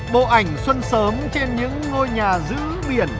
bộ ảnh xuân sớm trên những ngôi nhà giữ biển